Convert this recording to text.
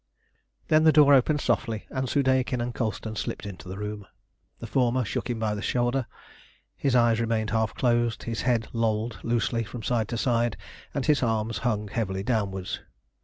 Then the door opened softly and Soudeikin and Colston slipped into the room. The former shook him by the shoulder. His eyes remained half closed, his head lolled loosely from side to side, and his arms hung heavily downwards.